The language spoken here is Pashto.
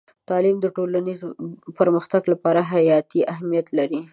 تعلیم د ټولنیز پرمختګ لپاره حیاتي اهمیت لري.